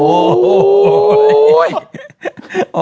โอ้โห